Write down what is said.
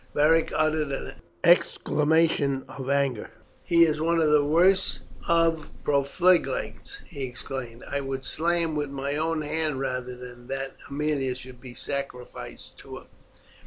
Beric uttered an exclamation of anger. "He is one of the worst of profligates," he exclaimed. "I would slay him with my own hand rather than that Aemilia should be sacrificed to him."